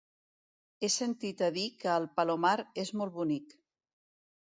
He sentit a dir que el Palomar és molt bonic.